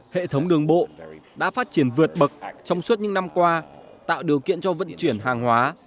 hệ thống đường bộ đã phát triển vượt bậc trong suốt những năm qua tạo điều kiện cho vận chuyển hàng hóa